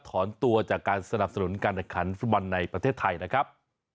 ถอนตัวจากการสนับสนุนการแข่งขันฟุตบอลในประเทศไทยนะครับ